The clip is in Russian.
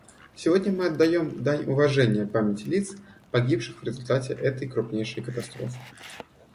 Сегодня мы отдаем дань уважения памяти лиц, погибших в результате этой крупнейшей катастрофы.